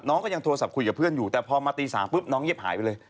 ก็ยังโทรศัพท์คุยกับเพื่อนอยู่แต่พอมาตี๓ปุ๊บน้องเงียบหายไปเลย